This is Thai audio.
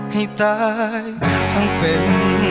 ให้ตายทั้งเป็น